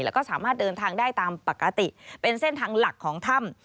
แล้วก็สามารถเดินทางได้ตามปกติเป็นเส้นทางหลักของถ้ำ